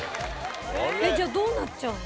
じゃあどうなっちゃうの？